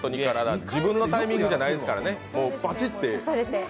自分のタイミングじゃないですからね。